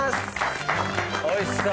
おいしそう。